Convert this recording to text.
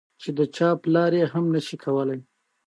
پیلوټ د پرواز د مسیر له هر ګامه خبر وي.